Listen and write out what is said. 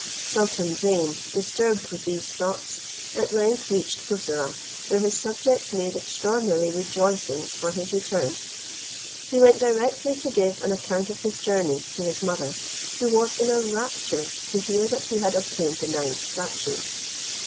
Sultan Zeyn, disturbed with these thoughts, at length reached Bussorah, where his subjects made extraordinary rejoicings for his return. He went directly to give an account of his journey to his mother, who was in a rapture to hear that he had obtained the ninth statue.